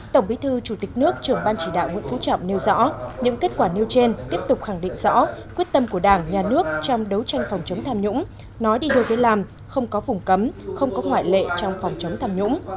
tổng bí thư chủ tịch nước trưởng ban chỉ đạo nguyễn phú trọng nêu rõ những kết quả nêu trên tiếp tục khẳng định rõ quyết tâm của đảng nhà nước trong đấu tranh phòng chống tham nhũng nói đi đôi với làm không có vùng cấm không có ngoại lệ trong phòng chống tham nhũng